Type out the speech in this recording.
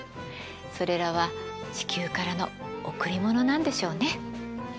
それらは地球からの贈り物なんでしょうね。